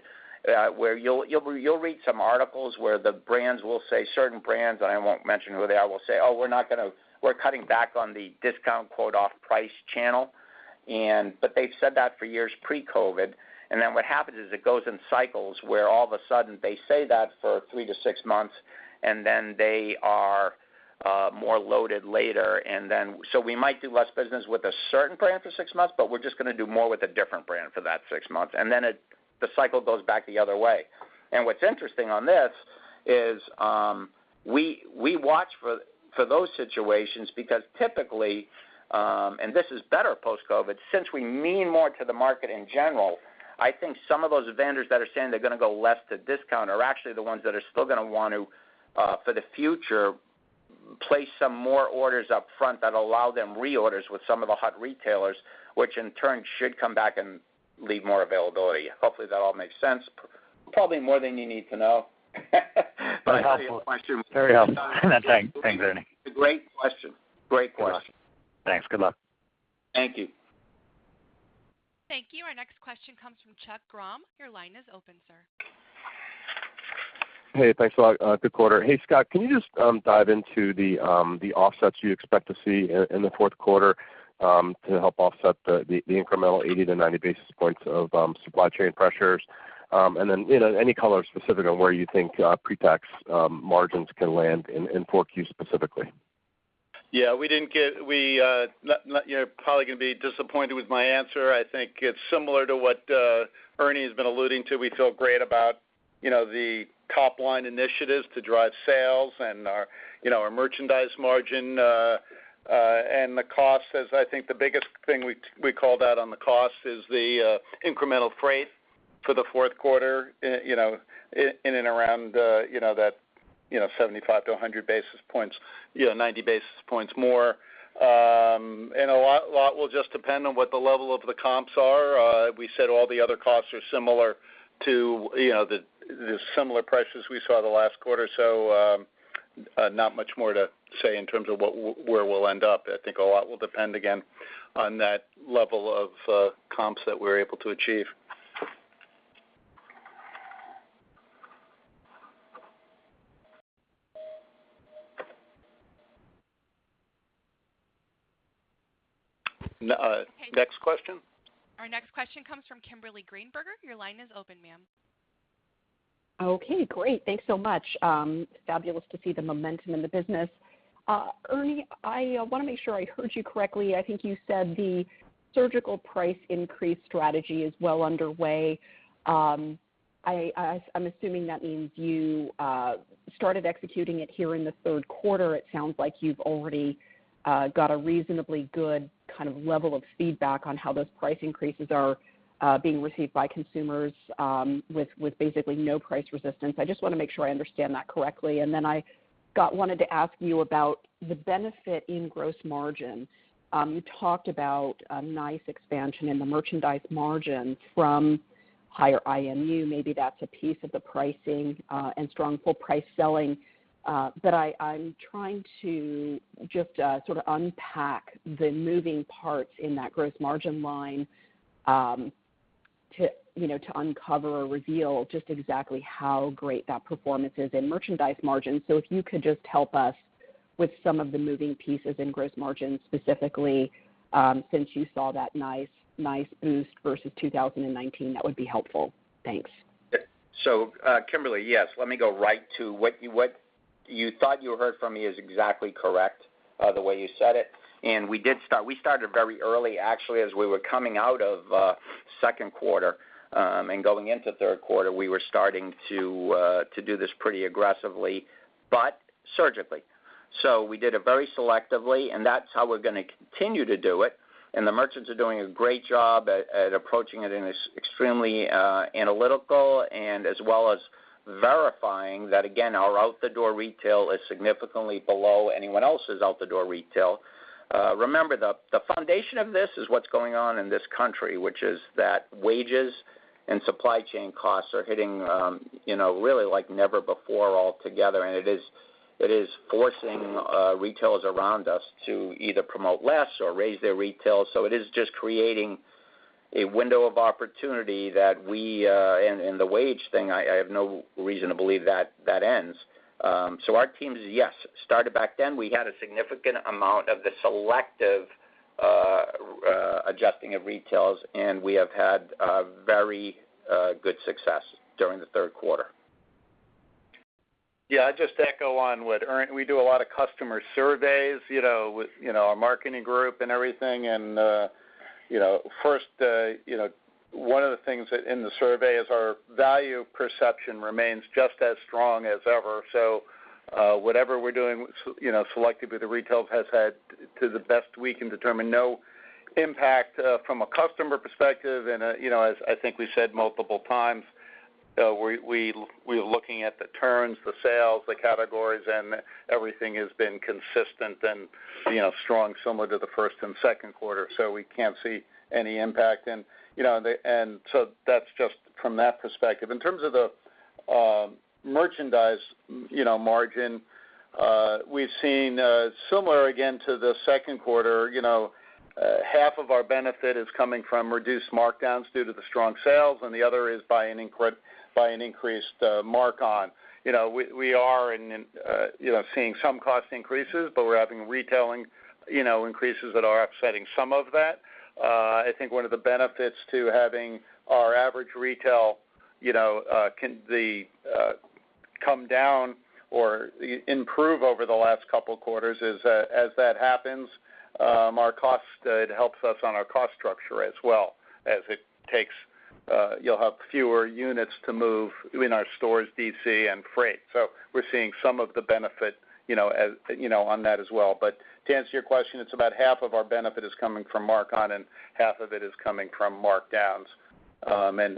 where you'll read some articles where the brands will say, certain brands, and I won't mention who they are, will say, "Oh, we're cutting back on the discount, quote, 'off-price channel.'" But they've said that for years pre-COVID. Then what happens is it goes in cycles where all of a sudden they say that for three to six months, and then they are more loaded later. We might do less business with a certain brand for six months, but we're just gonna do more with a different brand for that six months. It, the cycle goes back the other way. What's interesting on this is, we watch for those situations because typically, and this is better post-COVID, since we mean more to the market in general, I think some of those vendors that are saying they're gonna go less to discount are actually the ones that are still gonna want to, for the future, place some more orders up front that allow them reorders with some of the hot retailers, which in turn should come back and leave more availability. Hopefully, that all makes sense. Probably more than you need to know. Very helpful. Very helpful. Thanks. Thanks, Ernie. Great question. Thanks. Good luck. Thank you. Comes from Chuck Grom. Your line is open, sir. Hey, thanks a lot. Good quarter. Hey, Scott, can you just dive into the offsets you expect to see in the fourth quarter to help offset the incremental 80-90 basis points of supply chain pressures? Then, you know, any color specific on where you think pretax margins can land in Q4 specifically? Yeah, we not, you know, probably gonna be disappointed with my answer. I think it's similar to what Ernie has been alluding to. We feel great about, you know, the top-line initiatives to drive sales and our, you know, our merchandise margin and the cost, as I think the biggest thing we called out on the cost is the incremental freight for the fourth quarter, you know, in and around, you know, that, you know, 75-100 basis points, you know, 90 basis points more. A lot will just depend on what the level of the comps are. We said all the other costs are similar to, you know, the similar prices we saw the last quarter. Not much more to say in terms of what, where we'll end up. I think a lot will depend, again, on that level of comps that we're able to achieve. Next question. Our next question comes from Kimberly Greenberger. Your line is open, ma'am. Okay, great. Thanks so much. Fabulous to see the momentum in the business. Ernie, I wanna make sure I heard you correctly. I think you said the surgical price increase strategy is well underway. I'm assuming that means you started executing it here in the third quarter. It sounds like you've already got a reasonably good kind of level of feedback on how those price increases are being received by consumers, with basically no price resistance. I just wanna make sure I understand that correctly. I wanted to ask you about the benefit in gross margin. You talked about a nice expansion in the merchandise margin from higher IMU. Maybe that's a piece of the pricing and strong full price selling. I'm trying to just sort of unpack the moving parts in that gross margin line, you know, to uncover or reveal just exactly how great that performance is in merchandise margin. If you could just help us with some of the moving pieces in gross margin, specifically, since you saw that nice boost versus 2019, that would be helpful. Thanks. Kimberly, yes. Let me go right to what you thought you heard from me is exactly correct, the way you said it. We started very early, actually, as we were coming out of second quarter and going into third quarter, we were starting to do this pretty aggressively, but surgically. We did it very selectively, and that's how we're gonna continue to do it. The merchants are doing a great job at approaching it in an extremely analytical and as well as verifying that, again, our out-the-door retail is significantly below anyone else's out-the-door retail. Remember, the foundation of this is what's going on in this country, which is that wages and supply chain costs are hitting, you know, really like never before altogether. It is forcing retailers around us to either promote less or raise their retail. It is just creating a window of opportunity that we and the wage thing I have no reason to believe that ends. Our teams yes started back then. We had a significant amount of the selective adjusting of retail, and we have had very good success during the third quarter. Yeah, I just echo on what Ernie. We do a lot of customer surveys, you know, with you know our marketing group and everything. You know, first, one of the things that in the survey is our value perception remains just as strong as ever. Whatever we're doing, you know, selectively, the retail has had, to the best we can determine, no impact from a customer perspective. You know, as I think we said multiple times, we're looking at the turns, the sales, the categories, and everything has been consistent and, you know, strong, similar to the first and second quarter. We can't see any impact. You know, that's just from that perspective. In terms of the merchandise, you know, margin, we've seen similar again to the second quarter. You know, half of our benefit is coming from reduced markdowns due to the strong sales, and the other is by an increased mark-on. You know, we are seeing some cost increases, but we're having retail increases that are offsetting some of that. I think one of the benefits to having our average retail come down or improve over the last couple quarters is, as that happens, it helps us on our cost structure as well as you'll have fewer units to move in our stores, DC, and freight. We're seeing some of the benefit, you know, on that as well. To answer your question, it's about half of our benefit is coming from mark-on and half of it is coming from markdowns.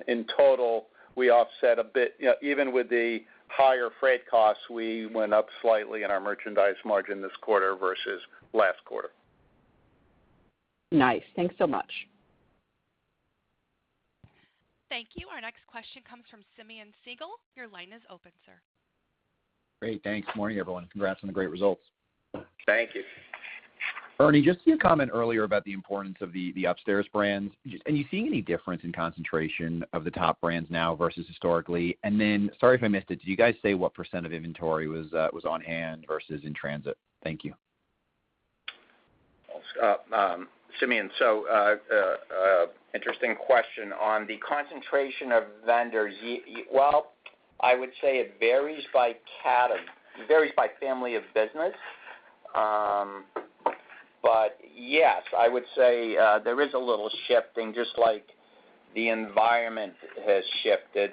In total, we offset a bit, you know, even with the higher freight costs, we went up slightly in our merchandise margin this quarter versus last quarter. Nice. Thanks so much. Thank you. Our next question comes from Simeon Siegel. Your line is open, sir. Great. Thanks. Morning, everyone. Congrats on the great results. Thank you. Ernie, just your comment earlier about the importance of the upstairs brands. Are you seeing any difference in concentration of the top brands now versus historically? Then sorry if I missed it, did you guys say what % of inventory was on hand versus in transit? Thank you. Simeon, interesting question on the concentration of vendors. Well, I would say it varies by family of business. Yes, I would say there is a little shifting, just like the environment has shifted.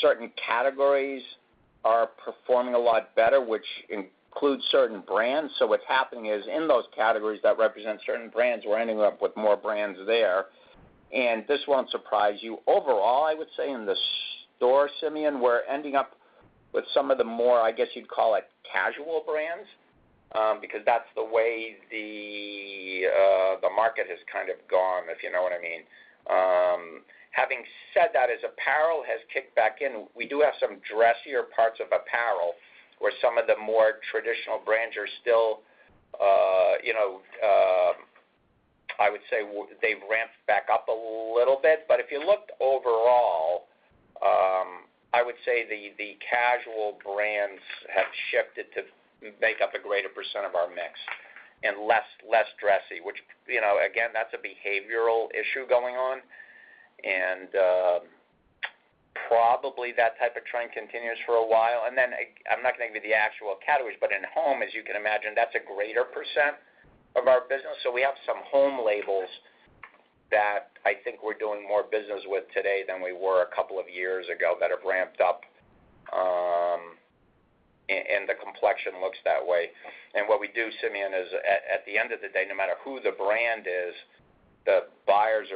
Certain categories are performing a lot better, which includes certain brands. What's happening is in those categories that represent certain brands, we're ending up with more brands there. This won't surprise you. Overall, I would say in the store, Simeon, we're ending up with some of the more, I guess, you'd call it casual brands, because that's the way the market has kind of gone, if you know what I mean. Having said that, as apparel has kicked back in, we do have some dressier parts of apparel where some of the more traditional brands are still, you know, I would say they've ramped back up a little bit. But if you looked overall, I would say the casual brands have shifted to make up a greater percent of our mix and less dressy, which, you know, again, that's a behavioral issue going on. Probably that type of trend continues for a while. I'm not going to give you the actual categories, but in home, as you can imagine, that's a greater percent of our business. We have some home labels that I think we're doing more business with today than we were a couple of years ago that have ramped up, and the complexion looks that way. What we do, Simeon, is at the end of the day, no matter who the brand is, the buyers'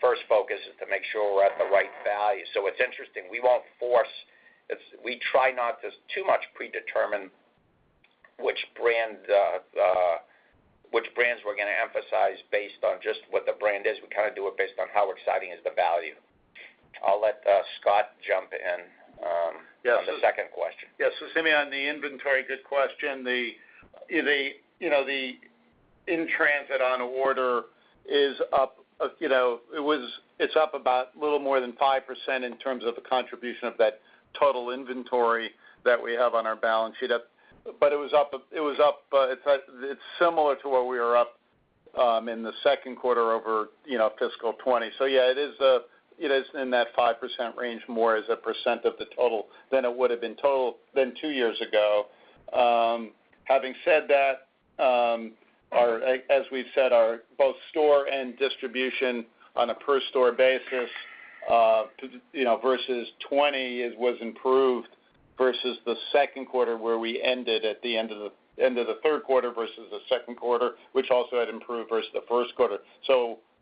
first focus is to make sure we're at the right value. It's interesting. We won't force. It's we try not to too much predetermine which brands we're gonna emphasize based on just what the brand is. We kind of do it based on how exciting is the value. I'll let Scott jump in on the second question. Yes. Simeon, the inventory, good question. The you know, the in-transit on order is up, you know, it's up about a little more than 5% in terms of the contribution of that total inventory that we have on our balance sheet. But it was up, it's similar to where we were up in the second quarter over, you know, fiscal 2020. Yeah, it is in that 5% range, more as a % of the total than it would have been two years ago. Having said that, as we've said, our both store and distribution on a per store basis, you know, versus 2020 was improved versus the second quarter, where we ended at the end of the third quarter versus the second quarter, which also had improved versus the first quarter.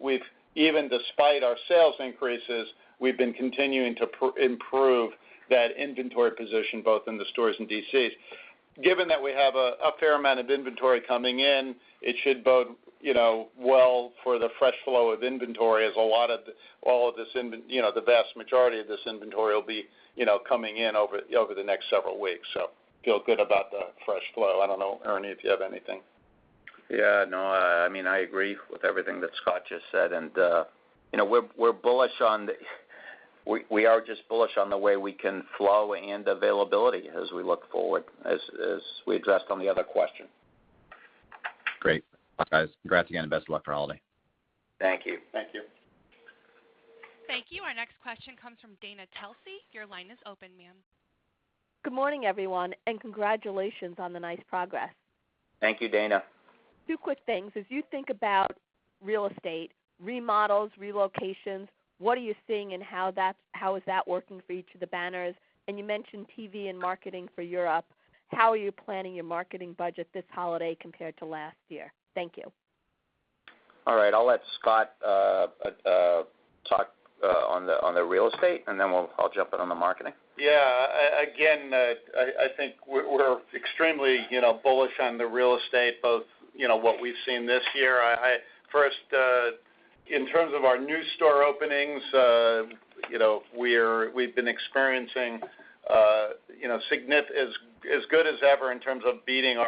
We've even despite our sales increases, we've been continuing to improve that inventory position, both in the stores and DCs. Given that we have a fair amount of inventory coming in, it should bode, you know, well for the fresh flow of inventory as all of this, you know, the vast majority of this inventory will be, you know, coming in over the next several weeks. Feel good about the fresh flow. I don't know, Ernie, if you have anything. Yeah, no, I mean, I agree with everything that Scott just said. You know, we are just bullish on the way we can flow and availability as we look forward, as we addressed on the other question. Great. Bye, guys. Congrats again, and best of luck for holiday. Thank you. Thank you. Thank you. Our next question comes from Dana Telsey. Your line is open, ma'am. Good morning, everyone, and congratulations on the nice progress. Thank you, Dana. Two quick things. As you think about real estate, remodels, relocations, what are you seeing and how is that working for each of the banners? You mentioned TV and marketing for Europe. How are you planning your marketing budget this holiday compared to last year? Thank you. All right, I'll let Scott talk on the real estate, and then I'll jump in on the marketing. Yeah. Again, I think we're extremely, you know, bullish on the real estate, both, you know, what we've seen this year. First, in terms of our new store openings, you know, we've been experiencing, you know, as good as ever in terms of beating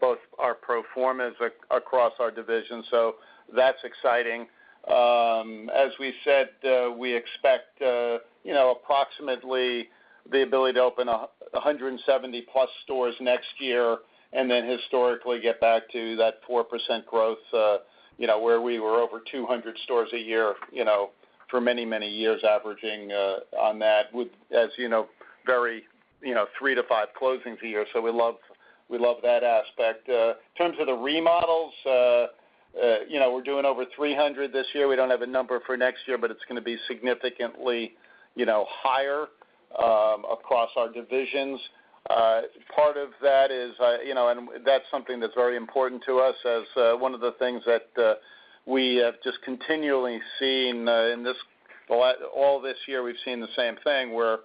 both our pro formas across our division. So that's exciting. As we've said, we expect, you know, approximately the ability to open 170+ stores next year and then historically get back to that 4% growth, you know, where we were over 200 stores a year, you know, for many years averaging, you know, on that with, as you know, very, you know, 3-5 closings a year. So we love that aspect. In terms of the remodels, you know, we're doing over 300 this year. We don't have a number for next year, but it's gonna be significantly, you know, higher across our divisions. Part of that is, you know, that's something that's very important to us as one of the things that we have just continually seen, in this all this year, we've seen the same thing where,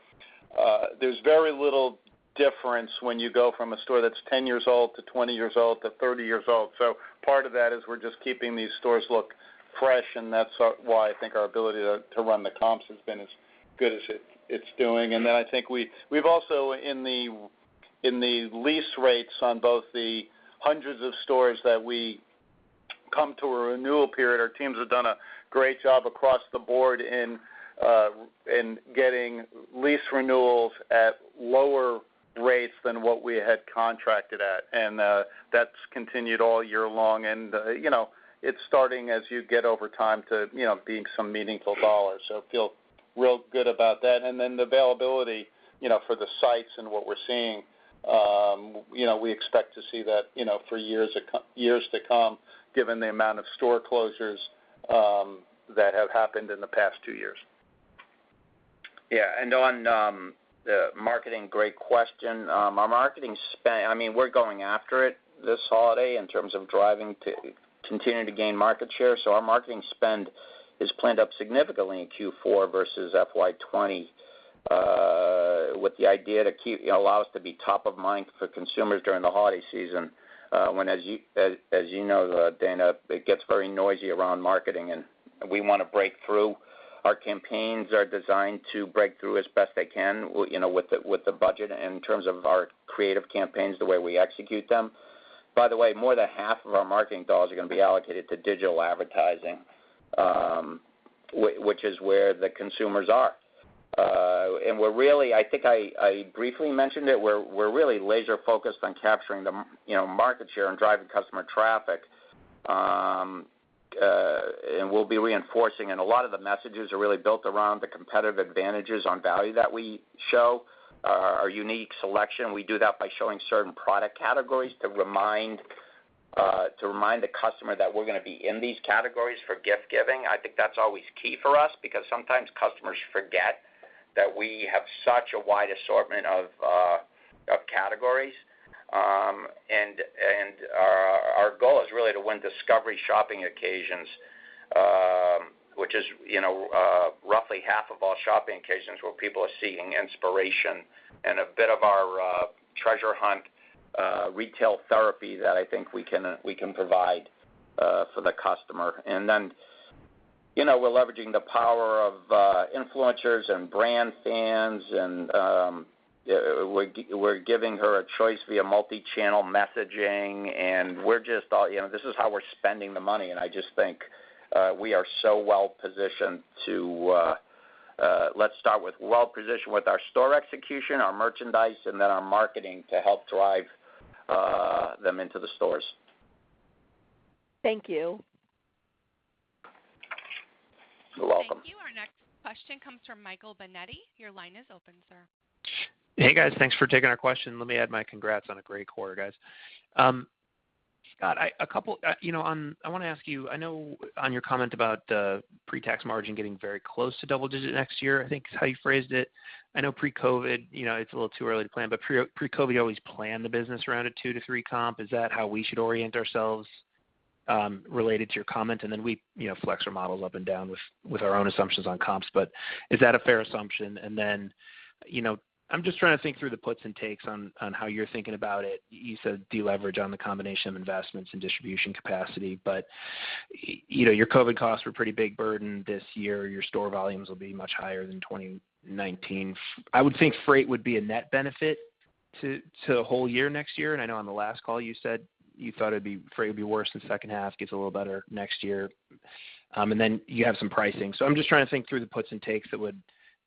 there's very little difference when you go from a store that's 10 years old to 20 years old to 30 years old. Part of that is we're just keeping these stores look fresh, and that's why I think our ability to run the comps has been as good as it's doing. I think we've also, in the lease rates on both the hundreds of stores that we come to a renewal period, our teams have done a great job across the board in getting lease renewals at lower rates than what we had contracted at. That's continued all year long. You know, it's starting as you get over time to, you know, being some meaningful dollars. Feel real good about that. The availability, you know, for the sites and what we're seeing, you know, we expect to see that, you know, for years to come, given the amount of store closures that have happened in the past two years. Yeah. On the marketing, great question. Our marketing spend. I mean, we're going after it this holiday in terms of driving to continue to gain market share. Our marketing spend is planned up significantly in Q4 versus FY 2020, with the idea to allow us to be top of mind for consumers during the holiday season, when, as you know, Dana, it gets very noisy around marketing, and we wanna break through. Our campaigns are designed to break through as best they can, you know, with the budget in terms of our creative campaigns, the way we execute them. By the way, more than half of our marketing dollars are gonna be allocated to digital advertising, which is where the consumers are. I think I briefly mentioned it. We're really laser focused on capturing the market share and driving customer traffic. We'll be reinforcing. A lot of the messages are really built around the competitive advantages on value that we show, our unique selection. We do that by showing certain product categories to remind the customer that we're gonna be in these categories for gift giving. I think that's always key for us because sometimes customers forget that we have such a wide assortment of categories. Our goal is really to win discovery shopping occasions, which is, you know, roughly half of all shopping occasions where people are seeking inspiration and a bit of our treasure hunt retail therapy that I think we can provide for the customer. Then, you know, we're leveraging the power of influencers and brand fans and we're giving her a choice via multi-channel messaging. You know, this is how we're spending the money. I just think we are so well positioned. Let's start with well positioned with our store execution, our merchandise, and then our marketing to help drive them into the stores. Thank you. You're welcome. Thank you. Our next question comes from Michael Binetti. Your line is open, sir. Hey, guys. Thanks for taking our question. Let me add my congrats on a great quarter, guys. Scott, I wanna ask you. I know on your comment about pre-tax margin getting very close to double digit next year, I think, is how you phrased it. I know pre-COVID, you know, it's a little too early to plan, but pre-COVID, always planned the business around a two to three comp. Is that how we should orient ourselves related to your comment? We, you know, flex our models up and down with our own assumptions on comps, but is that a fair assumption? You know, I'm just trying to think through the puts and takes on how you're thinking about it. You said deleverage on the combination of investments and distribution capacity, but you know, your COVID costs were a pretty big burden this year. Your store volumes will be much higher than 2019. I would think freight would be a net benefit to the whole year next year. I know on the last call you said you thought freight would be worse in the second half, gets a little better next year. Then you have some pricing. I'm just trying to think through the puts and takes that would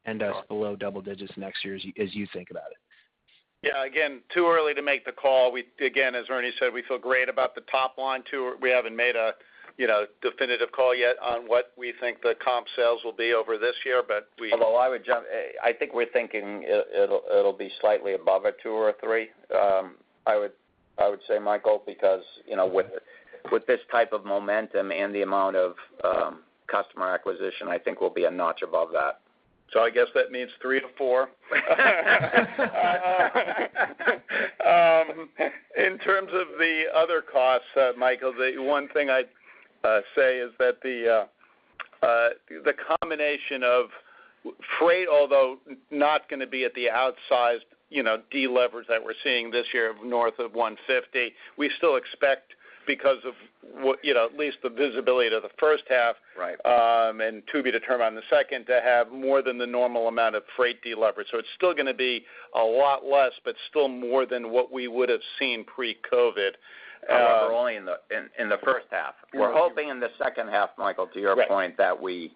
end us below double digits next year as you think about it. Yeah. Again, too early to make the call. Again, as Ernie said, we feel great about the top line too. We haven't made a, you know, definitive call yet on what we think the comp sales will be over this year, but we- Although I would, I think we're thinking it'll be slightly above a two or a three. I would say, Michael, because, you know, with this type of momentum and the amount of customer acquisition, I think we'll be a notch above that. I guess that means 3-4. In terms of the other costs, Michael, the one thing I'd say is that the combination of freight, although not gonna be at the outsized, you know, deleverage that we're seeing this year of north of 150, we still expect because of, you know, at least the visibility to the first half- Right To be determined on the second to have more than the normal amount of freight deleverage. It's still gonna be a lot less, but still more than what we would have seen pre-COVID. We're only in the first half. We're hoping in the second half, Michael, to your point. Right... that we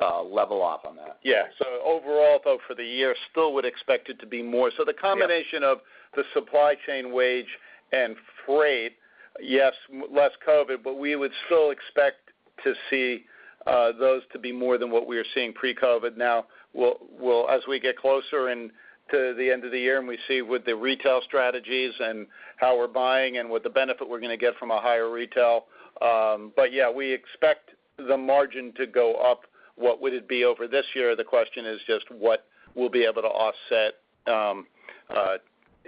level off on that. Yeah. Overall, though, for the year, still would expect it to be more. Yeah. The combination of the supply chain wage and freight, yes, less COVID, but we would still expect to see those to be more than what we are seeing pre-COVID. Now, as we get closer in to the end of the year and we see with the retail strategies and how we're buying and with the benefit we're gonna get from a higher retail, but yeah, we expect the margin to go up. What would it be over this year? The question is just what we'll be able to offset.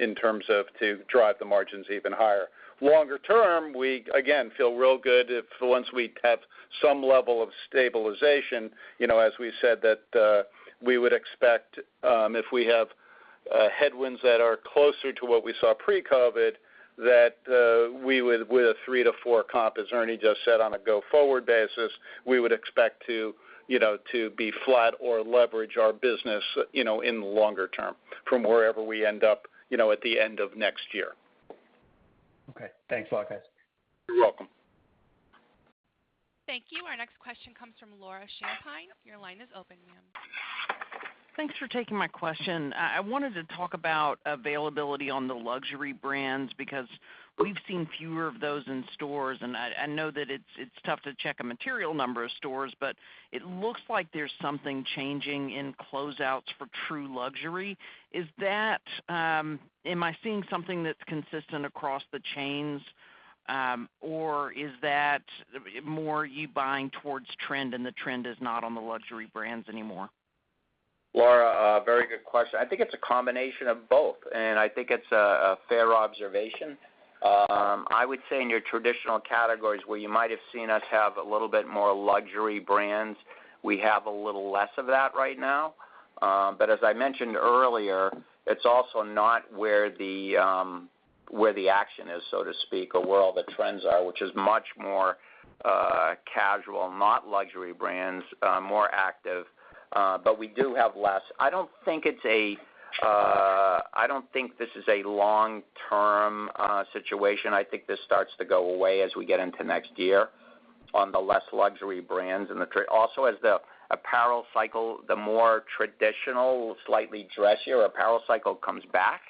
In terms of to drive the margins even higher. Longer term, we again feel real good if once we have some level of stabilization, you know, as we said that, we would expect, if we have, headwinds that are closer to what we saw pre-COVID, that, we would with a three-four comp, as Ernie just said, on a go-forward basis, we would expect to, you know, to be flat or leverage our business, you know, in the longer term from wherever we end up, you know, at the end of next year. Okay. Thanks a lot, guys. You're welcome. Thank you. Our next question comes from Laura Champine. Your line is open, ma'am. Thanks for taking my question. I wanted to talk about availability on the luxury brands because we've seen fewer of those in stores, and I know that it's tough to check a material number of stores, but it looks like there's something changing in closeouts for true luxury. Am I seeing something that's consistent across the chains, or is that more you buying towards trend and the trend is not on the luxury brands anymore? Laura, a very good question. I think it's a combination of both, and I think it's a fair observation. I would say in your traditional categories where you might have seen us have a little bit more luxury brands, we have a little less of that right now. As I mentioned earlier, it's also not where the action is, so to speak, or where all the trends are, which is much more casual, not luxury brands, more active, but we do have less. I don't think this is a long-term situation. I think this starts to go away as we get into next year on the less luxury brands. Also, as the apparel cycle, the more traditional, slightly dressier apparel cycle comes back,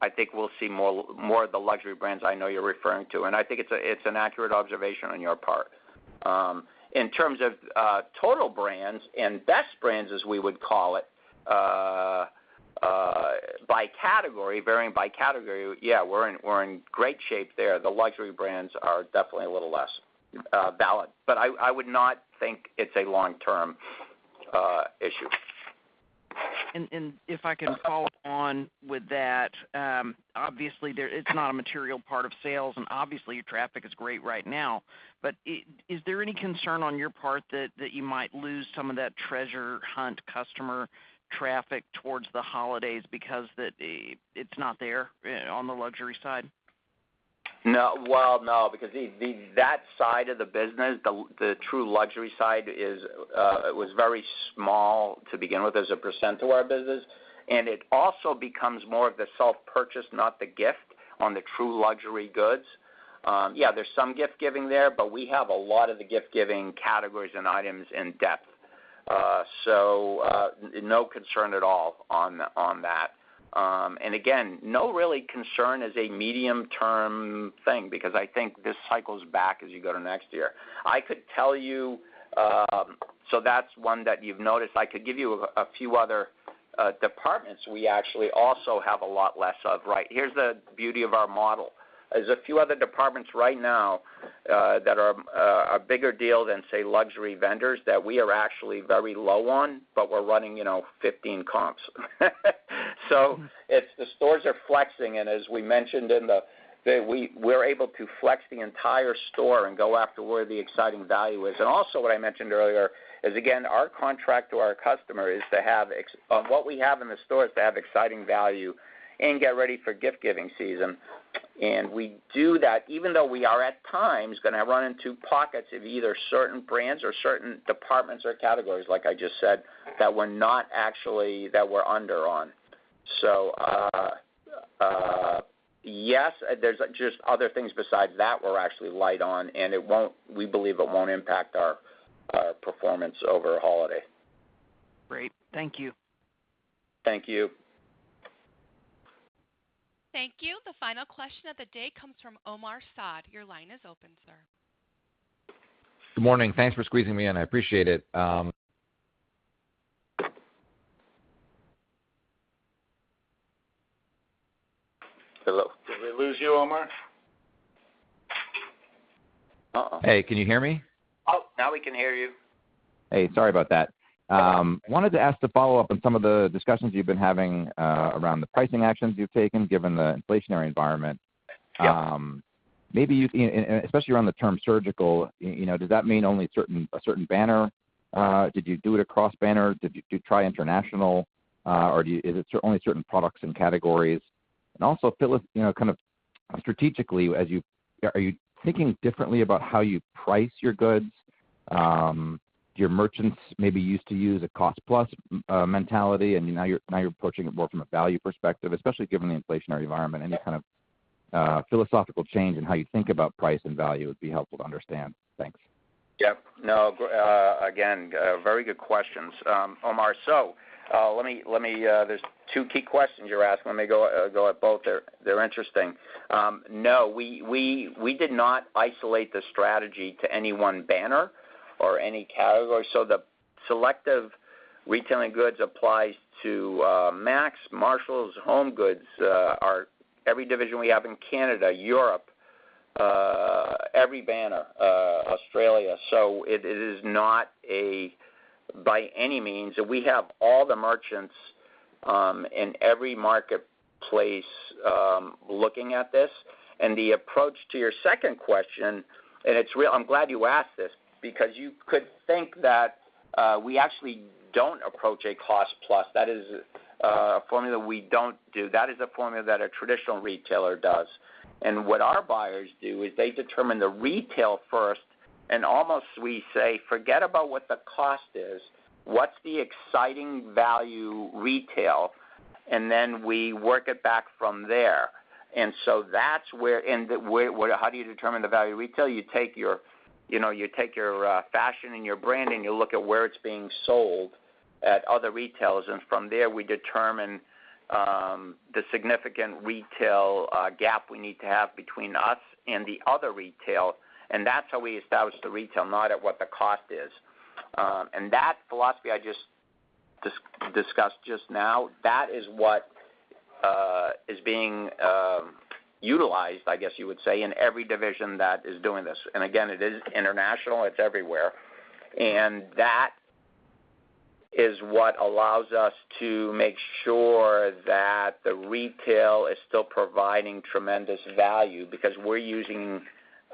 I think we'll see more of the luxury brands I know you're referring to, and I think it's an accurate observation on your part. In terms of total brands and best brands, as we would call it, by category, varying by category, yeah, we're in great shape there. The luxury brands are definitely a little less valid, but I would not think it's a long-term issue. If I can follow up on that, obviously it's not a material part of sales, and obviously traffic is great right now. Is there any concern on your part that you might lose some of that treasure hunt customer traffic towards the holidays because it's not there on the luxury side? No. Well, no, because that side of the business, the true luxury side is, it was very small to begin with as a percent of our business, and it also becomes more of the self-purchase, not the gift on the true luxury goods. Yeah, there's some gift giving there, but we have a lot of the gift-giving categories and items in depth. No concern at all on that. Again, no real concern as a medium term thing because I think this cycle's back as you go to next year. I could tell you, so that's one that you've noticed. I could give you a few other departments we actually also have a lot less of. Here's the beauty of our model. There's a few other departments right now that are a bigger deal than, say, luxury vendors that we are actually very low on, but we're running, you know, 15 comps. It's the stores are flexing, and as we mentioned, we're able to flex the entire store and go after where the exciting value is. Also, what I mentioned earlier is, again, our contract to our customer is to have on what we have in the store is to have exciting value and get ready for gift-giving season. We do that even though we are at times gonna run into pockets of either certain brands or certain departments or categories, like I just said, that we're not actually under on. Yes, there's just other things besides that we're actually light on, and it won't. We believe it won't impact our performance over holiday. Great. Thank you. Thank you. Thank you. The final question of the day comes from Omar Saad. Your line is open, sir. Good morning. Thanks for squeezing me in. I appreciate it. Hello? Did we lose you, Omar? Uh-oh. Hey, can you hear me? Oh, now we can hear you. Hey, sorry about that. I wanted to ask to follow up on some of the discussions you've been having around the pricing actions you've taken given the inflationary environment. Yes. Maybe you can and especially around the term surgical, you know, does that mean only a certain banner? Did you do it across banner? Did you try international? Or is it only certain products and categories? Also, Phillip, you know, kind of strategically as you are thinking differently about how you price your goods? Your merchants maybe used to use a cost-plus mentality, and now you're approaching it more from a value perspective, especially given the inflationary environment. Any kind of philosophical change in how you think about price and value would be helpful to understand. Thanks. Yeah. No, again, very good questions, Omar. Let me... there are two key questions you're asking. Let me go at both. They're interesting. No, we did not isolate the strategy to any one banner or any category. The selective retailing goods applies to Marmaxx, Marshalls, HomeGoods, every division we have in Canada, Europe, every banner, Australia. It is not, by any means, we have all the merchants in every marketplace looking at this. The approach to your second question, and it's really. I'm glad you asked this because you could think that we actually don't approach a cost plus. That is a formula we don't do. That is a formula that a traditional retailer does. What our buyers do is they determine the retail first, and almost we say, "Forget about what the cost is, what's the exciting value retail?" Then we work it back from there. How do you determine the value retail? You take your, you know, fashion and your brand, and you look at where it's being sold at other retailers. From there, we determine the significant retail gap we need to have between us and the other retail. That's how we establish the retail, not at what the cost is. That philosophy I just discussed just now, that is what is being utilized, I guess you would say, in every division that is doing this. It is international, it's everywhere. That is what allows us to make sure that the retail is still providing tremendous value because we're using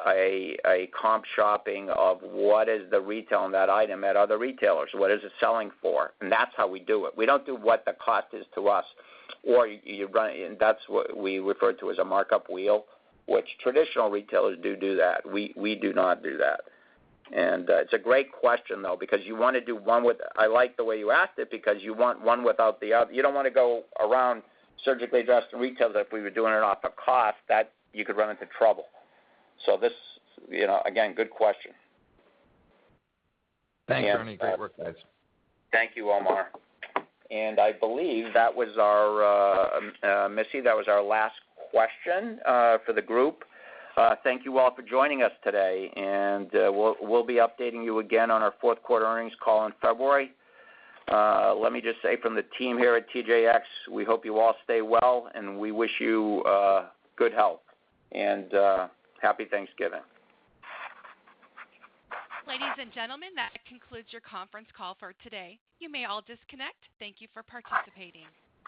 a comp shopping of what is the retail on that item at other retailers, what is it selling for? That's how we do it. We don't do what the cost is to us. That's what we refer to as a markup wheel, which traditional retailers do that. We do not do that. It's a great question though, because you want one without the other. I like the way you asked it because you don't wanna go around surgically adjusting retailers if we were doing it off of cost, that you could run into trouble. This, you know, again, good question. Thanks, Ernie. Great work, guys. Thank you, Omar. I believe that was our Missy, that was our last question for the group. Thank you all for joining us today, and we'll be updating you again on our fourth quarter earnings call in February. Let me just say from the team here at TJX, we hope you all stay well, and we wish you good health and Happy Thanksgiving. Ladies and gentlemen, that concludes your conference call for today. You may all disconnect. Thank you for participating.